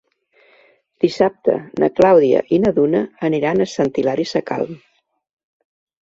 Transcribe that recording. Dissabte na Clàudia i na Duna aniran a Sant Hilari Sacalm.